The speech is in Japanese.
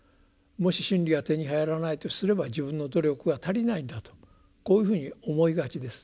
もし真理が手に入らないとすれば自分の努力が足りないんだとこういうふうに思いがちです。